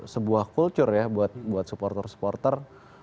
sebuah kultur ya buat supporter supporter